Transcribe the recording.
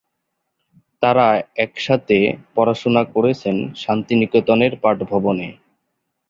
তারা একসাথে পড়াশোনা করেছেন শান্তিনিকেতনের পাঠ ভবনে।